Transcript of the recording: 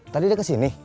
tadi dia kesini